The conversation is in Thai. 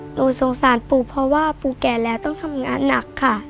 หนูสงสารปู่เพราะว่าปู่แก่แล้วต้องทำงานหนักค่ะ